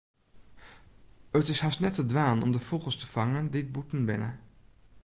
It is hast net te dwaan om de fûgels te fangen dy't bûten binne.